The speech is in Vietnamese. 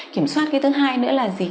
kiểm soát cái thứ hai nữa là gì